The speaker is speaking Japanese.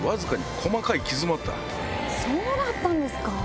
そうだったんですか？